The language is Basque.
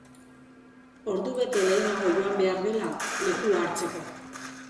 Ordubete lehenago joan behar dela lekua hartzeko.